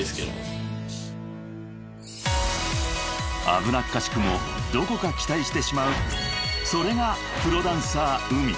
［危なっかしくもどこか期待してしまうそれがプロダンサーＵＭＩ］